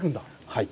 はい。